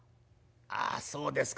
「あそうですか。